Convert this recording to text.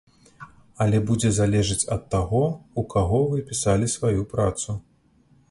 Але будзе залежыць ад таго, у каго вы пісалі сваю працу.